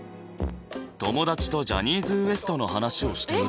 友達とジャニーズＷＥＳＴの話をしていると。